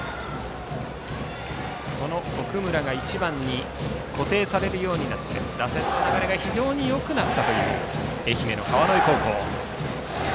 奥村が１番に固定されるようになって打線の流れが非常によくなったという愛媛の川之江高校。